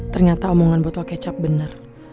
ternyata omongan botol kecap benar